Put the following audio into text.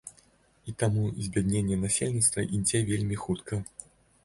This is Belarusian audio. І таму збядненне насельніцтва ідзе вельмі хутка.